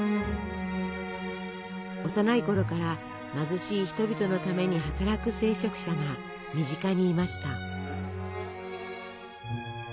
幼いころから貧しい人々のために働く聖職者が身近にいました。